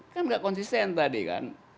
kan nggak konsisten tadi kan